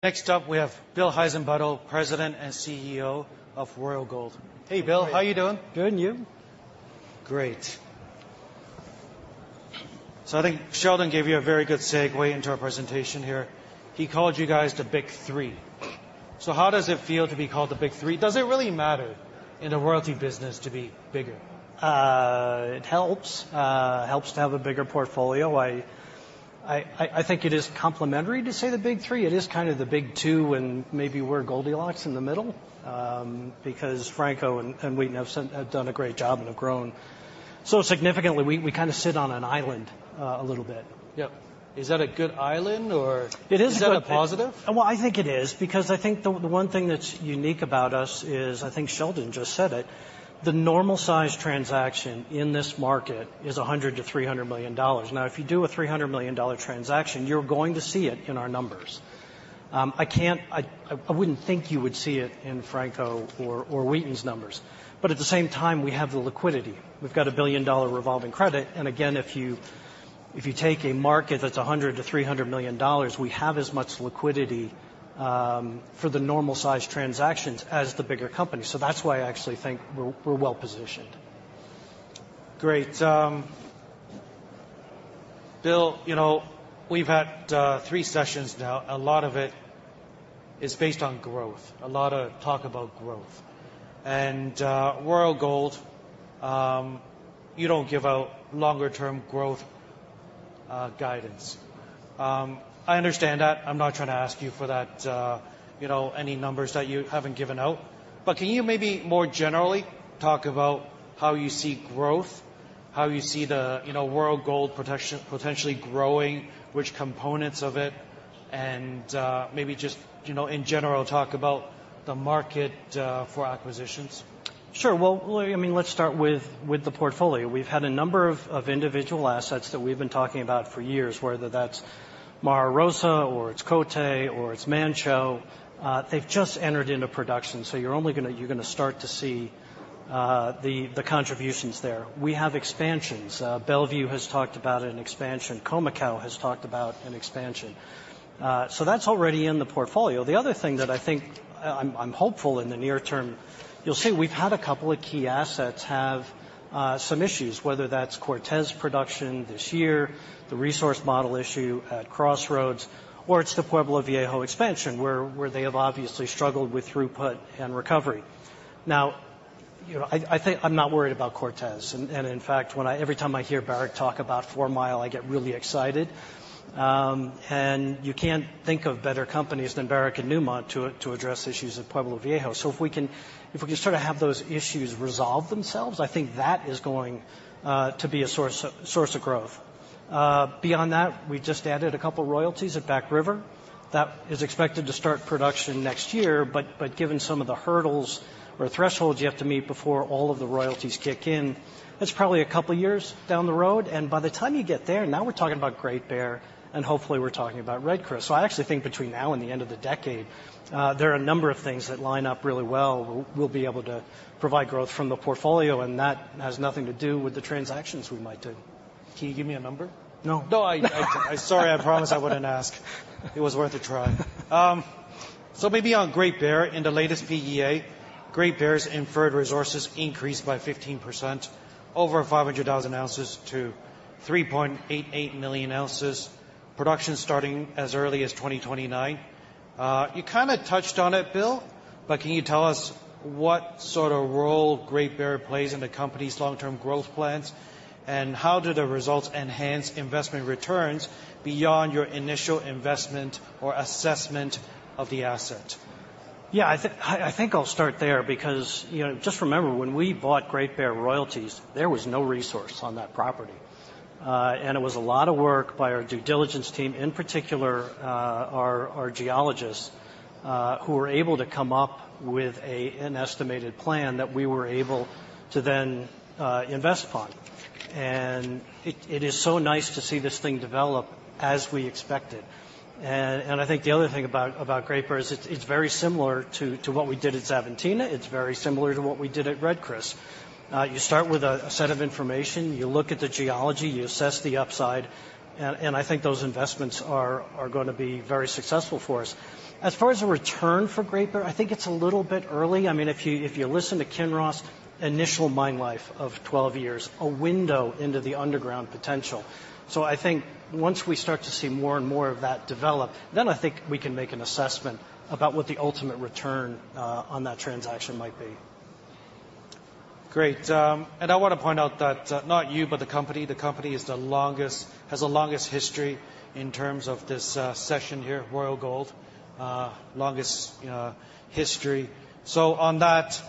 Next up, we have Bill Heissenbuttel, President and CEO of Royal Gold. Hey, Bill, how are you doing? Good, and you? Great. So I think Sheldon gave you a very good segue into our presentation here. He called you guys the Big Three. So how does it feel to be called the Big Three? Does it really matter in the royalty business to be bigger? It helps to have a bigger portfolio. I think it is complementary to say the Big Three. It is kind of the big two, and maybe we're Goldilocks in the middle, because Franco-Nevada and Wheaton have done a great job and have grown so significantly. We kind of sit on an island a little bit. Yep. Is that a good island, or- It is a good- Is that a positive? I think it is, because I think the one thing that's unique about us is. I think Sheldon just said it, the normal size transaction in this market is $100 million-$300 million. Now, if you do a $300 million transaction, you're going to see it in our numbers. I wouldn't think you would see it in Franco-Nevada or Wheaton's numbers, but at the same time, we have the liquidity. We've got a $1 billion revolving credit, and again, if you take a market that's $100 million-$300 million, we have as much liquidity for the normal-sized transactions as the bigger company. So that's why I actually think we're well positioned. Great, Bill, you know, we've had three sessions now. A lot of it is based on growth, a lot of talk about growth, and Royal Gold, you don't give out longer term growth guidance. I understand that. I'm not trying to ask you for that, you know, any numbers that you haven't given out. But can you maybe more generally talk about how you see growth, how you see the, you know, Royal Gold portfolio potentially growing, which components of it, and, maybe just, you know, in general, talk about the market, for acquisitions? Sure. Well, I mean, let's start with the portfolio. We've had a number of individual assets that we've been talking about for years, whether that's Mara Rosa, or it's Côté Gold, or it's Manh Choh. They've just entered into production, so you're only gonna start to see the contributions there. We have expansions. Bellevue has talked about an expansion. Khoemacau has talked about an expansion. So that's already in the portfolio. The other thing that I think I'm hopeful in the near term, you'll see we've had a couple of key assets have some issues, whether that's Cortez production this year, the resource model issue at Crossroads, or it's the Pueblo Viejo expansion, where they have obviously struggled with throughput and recovery. Now, you know, I think I'm not worried about Cortez, and in fact, every time I hear Barrick talk about Four Mile, I get really excited. And you can't think of better companies than Barrick and Newmont to address issues of Pueblo Viejo. So if we can sort of have those issues resolve themselves, I think that is going to be a source of growth. Beyond that, we just added a couple royalties at Back River. That is expected to start production next year, but given some of the hurdles or thresholds you have to meet before all of the royalties kick in, that's probably a couple of years down the road, and by the time you get there, now we're talking about Great Bear, and hopefully, we're talking about Red Chris. I actually think between now and the end of the decade, there are a number of things that line up really well. We'll be able to provide growth from the portfolio, and that has nothing to do with the transactions we might do. Can you give me a number? No. No, sorry, I promise I wouldn't ask. It was worth a try. Maybe on Great Bear, in the latest PEA, Great Bear's inferred resources increased by 15%, over 500,000 ounces to 3.88 million ounces. Production starting as early as 2029. You kinda touched on it, Bill, but can you tell us what sort of role Great Bear plays in the company's long-term growth plans? And how do the results enhance investment returns beyond your initial investment or assessment of the asset? Yeah, I think I'll start there because, you know, just remember, when we bought Great Bear Royalties, there was no resource on that property, and it was a lot of work by our due diligence team, in particular, our geologists, who were able to come up with an estimated plan that we were able to then invest upon. It is so nice to see this thing develop as we expected, and I think the other thing about Great Bear is it's very similar to what we did at Xavantina. It's very similar to what we did at Red Chris. You start with a set of information, you look at the geology, you assess the upside, and I think those investments are gonna be very successful for us. As far as a return for Great Bear, I think it's a little bit early. I mean, if you, if you listen to Kinross, initial mine life of twelve years, a window into the underground potential. So I think once we start to see more and more of that develop, then I think we can make an assessment about what the ultimate return on that transaction might be. Great, and I want to point out that, not you, but the company, the company has the longest history in terms of this session here, Royal Gold, longest history. So on that,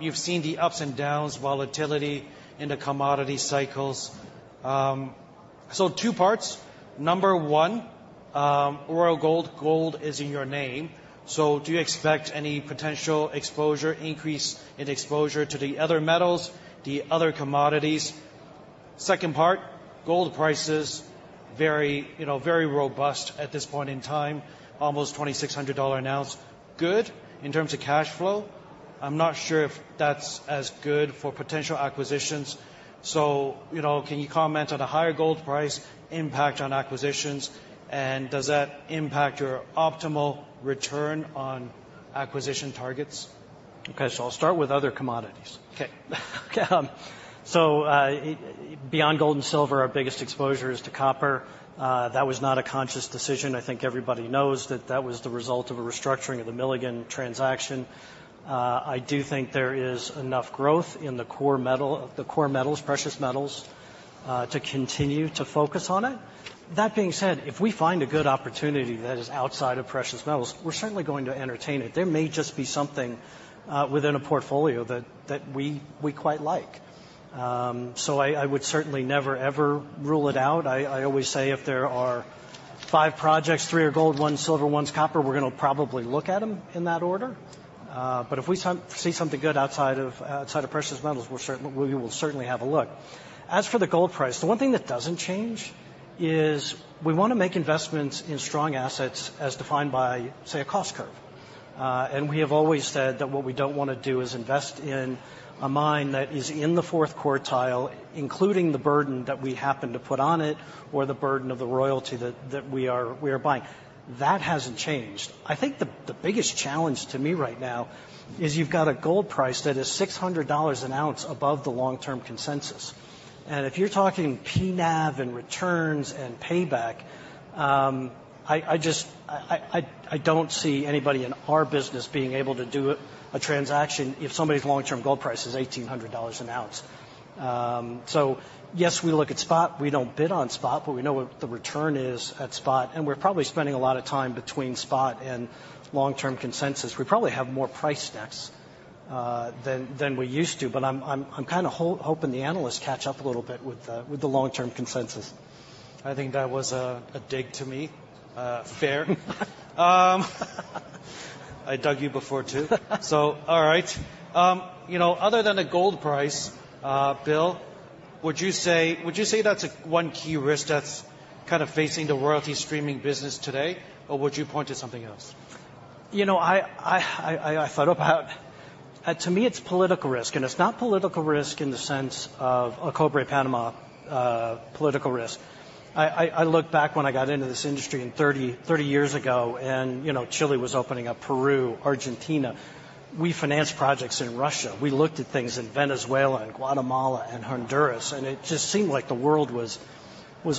you've seen the ups and downs, volatility in the commodity cycles. So two parts. Number one, Royal Gold, gold is in your name, so do you expect any potential exposure, increase in exposure to the other metals, the other commodities? Second part, gold prices very, you know, very robust at this point in time, almost $2,600 an ounce. Good in terms of cash flow? I'm not sure if that's as good for potential acquisitions. So, you know, can you comment on the higher gold price impact on acquisitions, and does that impact your optimal return on acquisition targets? Okay, so I'll start with other commodities. Okay. So, beyond gold and silver, our biggest exposure is to copper. That was not a conscious decision. I think everybody knows that that was the result of a restructuring of the Milligan transaction. I do think there is enough growth in the core metal, the core metals, precious metals, to continue to focus on it. That being said, if we find a good opportunity that is outside of precious metals, we're certainly going to entertain it. There may just be something within a portfolio that we quite like. So I would certainly never, ever rule it out. I always say if there are five projects, three are gold, one's silver, one's copper, we're gonna probably look at them in that order. But if we see something good outside of, outside of precious metals, we will certainly have a look. As for the gold price, the one thing that doesn't change is we wanna make investments in strong assets as defined by, say, a cost curve. And we have always said that what we don't wanna do is invest in a mine that is in the fourth quartile, including the burden that we happen to put on it or the burden of the royalty that we are buying. That hasn't changed. I think the biggest challenge to me right now is you've got a gold price that is $600 an ounce above the long-term consensus. And if you're talking [NPV] and returns and payback, I just don't see anybody in our business being able to do it, a transaction if somebody's long-term gold price is $1,800 an ounce. So yes, we look at spot. We don't bid on spot, but we know what the return is at spot, and we're probably spending a lot of time between spot and long-term consensus. We probably have more price decks than we used to, but I'm kind of hoping the analysts catch up a little bit with the long-term consensus. I think that was a dig to me. Fair. I dug you before, too. So all right. You know, other than the gold price, Bill, would you say that's one key risk that's kind of facing the royalty streaming business today, or would you point to something else? You know, I thought about... To me, it's political risk, and it's not political risk in the sense of a Cobre Panama political risk. I look back when I got into this industry thirty years ago, and, you know, Chile was opening up, Peru, Argentina. We financed projects in Russia. We looked at things in Venezuela and Guatemala and Honduras, and it just seemed like the world was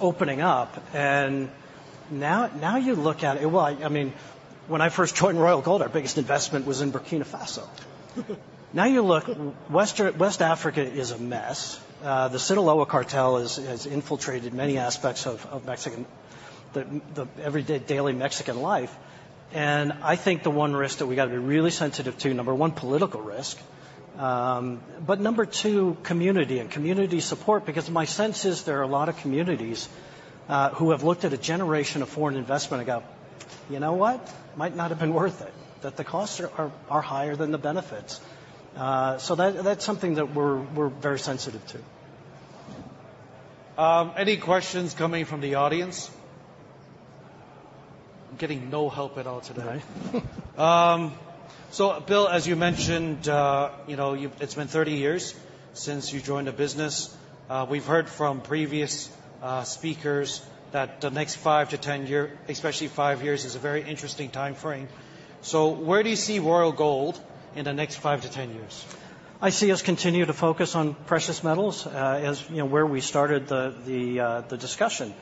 opening up. Now you look at it. I mean, when I first joined Royal Gold, our biggest investment was in Burkina Faso. Now, you look, West Africa is a mess. The Sinaloa Cartel has infiltrated many aspects of Mexican, the everyday daily Mexican life. I think the one risk that we got to be really sensitive to, number one, political risk, but number two, community and community support, because my sense is there are a lot of communities who have looked at a generation of foreign investment and go, "You know what? Might not have been worth it, that the costs are higher than the benefits." So that, that's something that we're very sensitive to. Any questions coming from the audience? I'm getting no help at all today. Right. Bill, as you mentioned, you know, it's been thirty years since you joined the business. We've heard from previous speakers that the next five- to ten-year, especially five years, is a very interesting time frame. So where do you see Royal Gold in the next five to 10 years? I see us continue to focus on precious metals, as you know, where we started the discussion.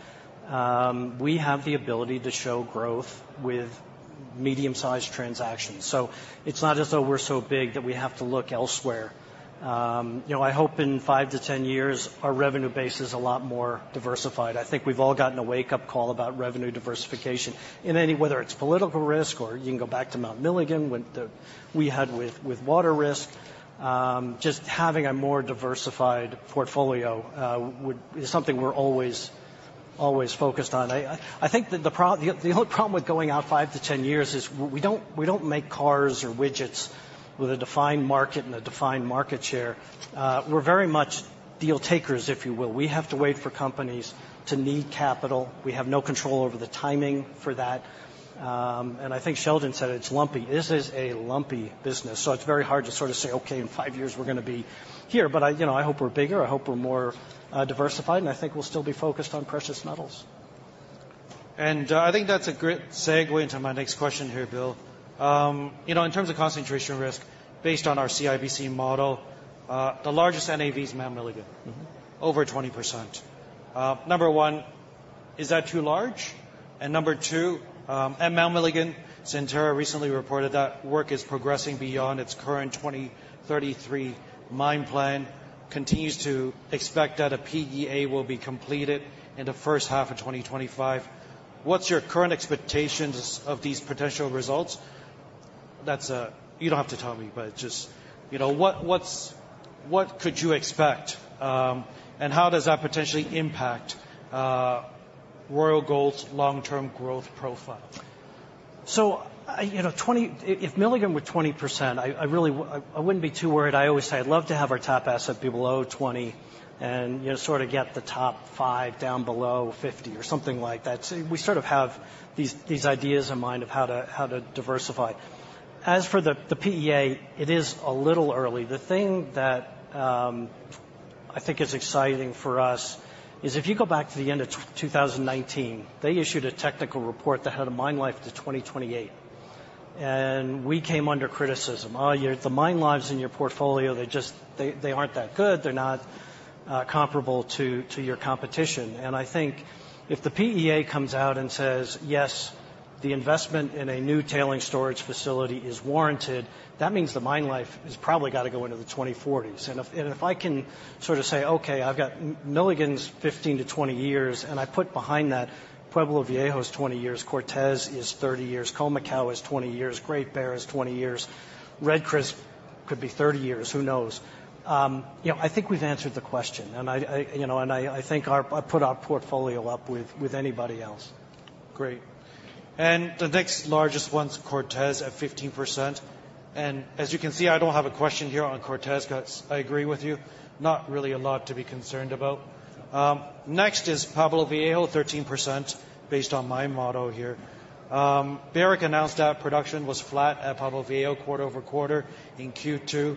We have the ability to show growth with medium-sized transactions, so it's not as though we're so big that we have to look elsewhere. You know, I hope in five to 10 years, our revenue base is a lot more diversified. I think we've all gotten a wake-up call about revenue diversification. Whether it's political risk, or you can go back to Mount Milligan, when we had water risk, just having a more diversified portfolio is something we're always focused on. I think the only problem with going out five to 10 years is we don't make cars or widgets with a defined market and a defined market share. We're very much deal takers, if you will. We have to wait for companies to need capital. We have no control over the timing for that. And I think Sheldon said it's lumpy. This is a lumpy business, so it's very hard to sort of say, "Okay, in five years, we're gonna be here." But I, you know, I hope we're bigger, I hope we're more, diversified, and I think we'll still be focused on precious metals. I think that's a great segue into my next question here, Bill. You know, in terms of concentration risk, based on our CIBC model, the largest NAV is Mount Milligan. Mm-hmm. Over 20%. Number one, is that too large? And number two, at Mount Milligan, Centerra recently reported that work is progressing beyond its current 2033 mine plan, continues to expect that a PEA will be completed in the first half of 2025. What's your current expectations of these potential results? You don't have to tell me, but just, you know, what could you expect, and how does that potentially impact Royal Gold's long-term growth profile? So I, you know, twenty if Milligan were 20%, I really wouldn't be too worried. I always say I'd love to have our top asset be below 20% and, you know, sort of get the top five down below 50% or something like that. So we sort of have these ideas in mind of how to diversify. As for the PEA, it is a little early. The thing that I think is exciting for us is if you go back to the end of 2019, they issued a technical report that had a mine life to 2028. And we came under criticism. Oh, yeah, the mine lives in your portfolio, they just they aren't that good, they're not comparable to your competition." And I think if the PEA comes out and says, "Yes, the investment in a new tailings storage facility is warranted," that means the mine life has probably got to go into the 2040s. And if I can sort of say, "Okay, I've got Milligan's 15-20 years," and I put behind that Pueblo Viejo is 20 years, Cortez is 30 years, Khoemacau is 20 years, Great Bear is 20 years, Red Chris could be 30 years, who knows? You know, I think we've answered the question, and I think our portfolio up with anybody else. Great. And the next largest one's Cortez at 15%. And as you can see, I don't have a question here on Cortez because I agree with you. Not really a lot to be concerned about. Next is Pueblo Viejo, 13%, based on my model here. Barrick announced that production was flat at Pueblo Viejo quarter over quarter in Q2,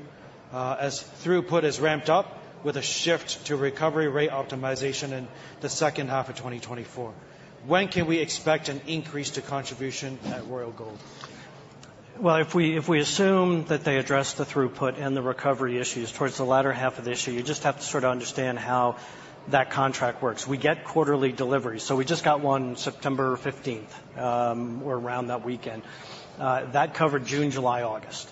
as throughput is ramped up with a shift to recovery rate optimization in the second half of 2024. When can we expect an increase to contribution at Royal Gold? If we assume that they address the throughput and the recovery issues towards the latter half of this year, you just have to sort of understand how that contract works. We get quarterly deliveries, so we just got one September fifteenth, or around that weekend. That covered June, July, August.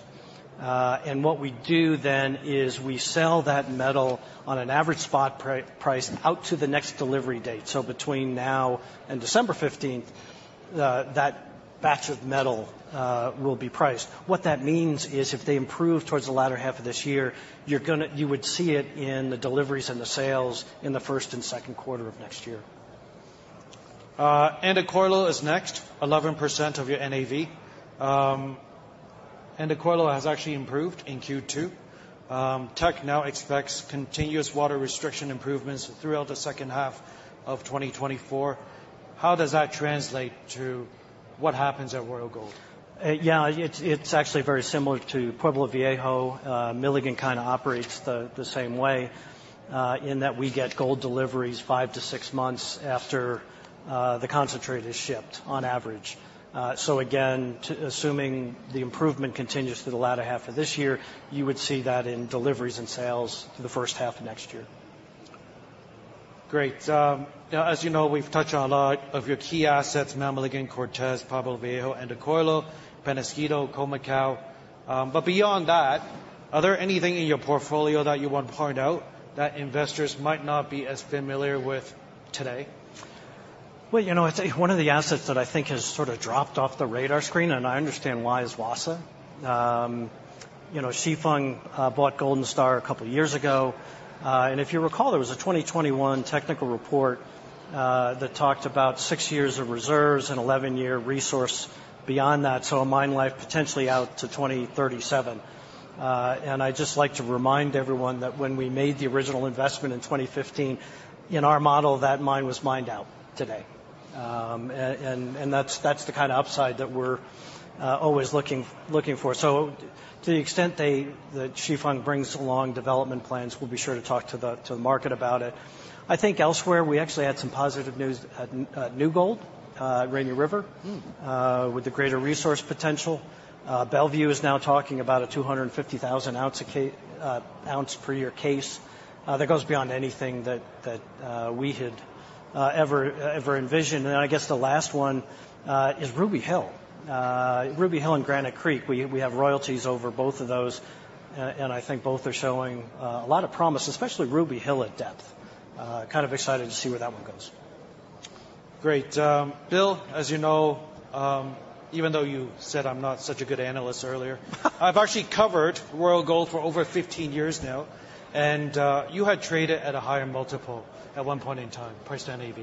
And what we do then is we sell that metal on an average spot price out to the next delivery date. So between now and December fifteenth, that batch of metal will be priced. What that means is, if they improve towards the latter half of this year, you're gonna you would see it in the deliveries and the sales in the first and second quarter of next year. Andacollo is next, 11% of your NAV. Andacollo has actually improved in Q2. Teck now expects continuous water restriction improvements throughout the second half of 2024. How does that translate to what happens at Royal Gold? Yeah, it's actually very similar to Pueblo Viejo. Milligan kind of operates the same way, in that we get gold deliveries five to six months after the concentrate is shipped on average. So again, assuming the improvement continues through the latter half of this year, you would see that in deliveries and sales in the first half of next year. Great. Now, as you know, we've touched on a lot of your key assets, Mount Milligan, Cortez, Pueblo Viejo, Andacollo, Peñasquito, Khoemacau. But beyond that, are there anything in your portfolio that you want to point out that investors might not be as familiar with today? You know, I'd say one of the assets that I think has sort of dropped off the radar screen, and I understand why, is Wassa. You know, Chifeng bought Golden Star a couple of years ago, and if you recall, there was a 2021 technical report that talked about six years of reserves and 11-year resource beyond that, so a mine life potentially out to 2037, and I'd just like to remind everyone that when we made the original investment in 2015, in our model, that mine was mined out today, and that's the kind of upside that we're always looking for. To the extent that Chifeng brings along development plans, we'll be sure to talk to the market about it. I think elsewhere, we actually had some positive news at New Gold, Rainy River- Mm. with the greater resource potential. Bellevue is now talking about a 250,000 ounce per year case. That goes beyond anything that we had ever envisioned. And I guess the last one is Ruby Hill. Ruby Hill and Granite Creek, we have royalties over both of those, and I think both are showing a lot of promise, especially Ruby Hill at depth. Kind of excited to see where that one goes. Great. Bill, as you know, even though you said I'm not such a good analyst earlier, I've actually covered Royal Gold for over fifteen years now, and you had traded at a higher multiple at one point in time, price to NAV.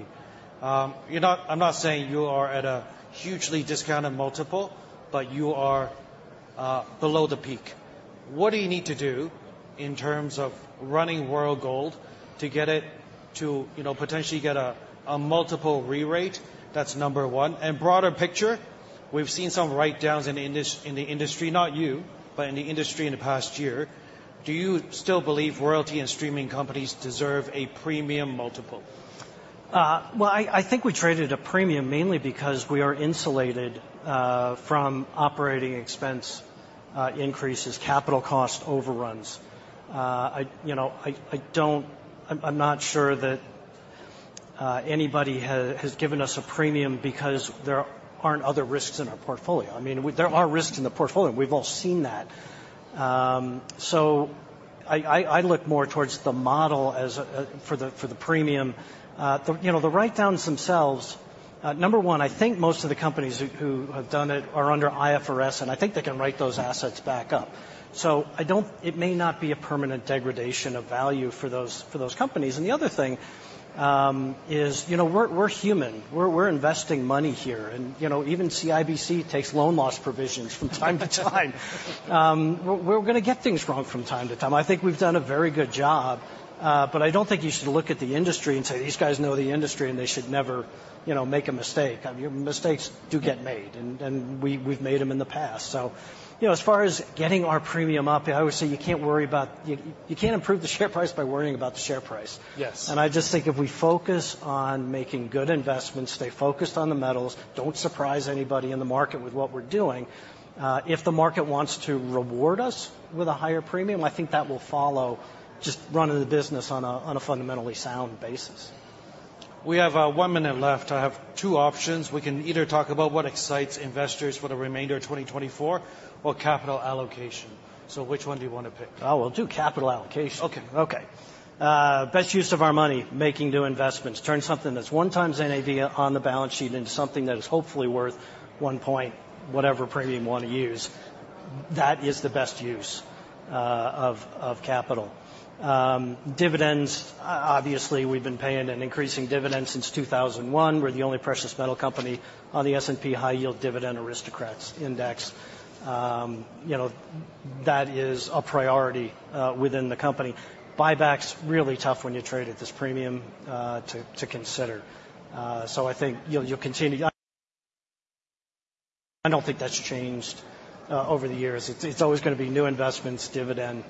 You're not-- I'm not saying you are at a hugely discounted multiple, but you are below the peak. What do you need to do in terms of running Royal Gold to get it to, you know, potentially get a multiple re-rate? That's number one, and broader picture, we've seen some write-downs in the industry, not you, but in the industry in the past year. Do you still believe royalty and streaming companies deserve a premium multiple? Well, I think we traded a premium, mainly because we are insulated from operating expense increases, capital cost overruns. You know, I don't, I'm not sure that anybody has given us a premium because there aren't other risks in our portfolio. I mean, there are risks in the portfolio, and we've all seen that. So I look more towards the model as for the premium. You know, the write-downs themselves, number one, I think most of the companies who have done it are under IFRS, and I think they can write those assets back up. So I don't, it may not be a permanent degradation of value for those companies. And the other thing is, you know, we're human, we're investing money here, and, you know, even CIBC takes loan loss provisions from time to time. We're gonna get things wrong from time to time. I think we've done a very good job, but I don't think you should look at the industry and say: These guys know the industry, and they should never, you know, make a mistake. I mean, mistakes do get made, and we've made them in the past. So, you know, as far as getting our premium up, I would say you can't worry about... You can't improve the share price by worrying about the share price. Yes. I just think if we focus on making good investments, stay focused on the metals, don't surprise anybody in the market with what we're doing, if the market wants to reward us with a higher premium, I think that will follow just running the business on a fundamentally sound basis. We have one minute left. I have two options. We can either talk about what excites investors for the remainder of twenty twenty-four or capital allocation. So which one do you want to pick? We'll do capital allocation. Okay. Okay. Best use of our money, making new investments, turn something that's one times NAV on the balance sheet into something that is hopefully worth one point whatever premium you want to use. That is the best use of capital. Dividends, obviously, we've been paying an increasing dividend since two thousand and one. We're the only precious metal company on the S&P High Yield Dividend Aristocrats Index. You know, that is a priority within the company. Buybacks, really tough when you trade at this premium to consider. So I think you'll continue... I don't think that's changed over the years. It's always gonna be new investments, dividend.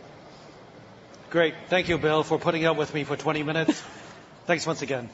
Great. Thank you, Bill, for putting up with me for 20 minutes. Thanks once again.